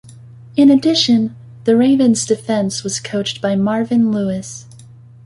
In addition, the Ravens defense was coached by Marvin Lewis.